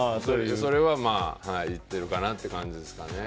それは、行っているかなという感じですかね。